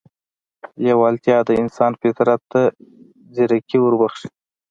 لېوالتیا د انسان فطرت ته ځيرکي وربښي.